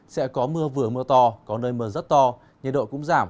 sẽ có mưa vừa mưa to có nơi mưa rất to nhiệt độ cũng giảm